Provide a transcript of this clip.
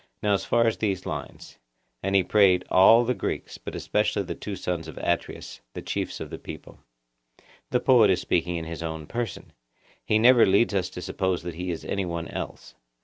Now as far as these lines, 'And he prayed all the Greeks, but especially the two sons of Atreus, the chiefs of the people,' the poet is speaking in his own person; he never leads us to suppose that he is any one else.